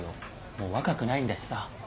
もう若くないんだしさ。